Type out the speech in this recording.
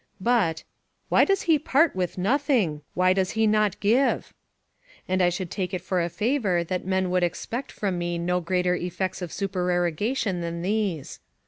but, "Why does he part with nothing? Why does he not give?" And I should take it for a favour that men would expect from me no greater effects of supererogation than these.